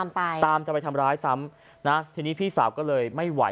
ไปตามจะไปทำร้ายซ้ำนะทีนี้พี่สาวก็เลยไม่ไหว